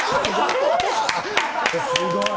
すごい。